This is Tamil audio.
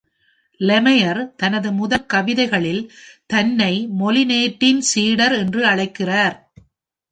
லெமயர் தனது முதல் கவிதைகளில் தன்னை மோலினெட்டின் சீடர் என்று அழைக்கிறார்.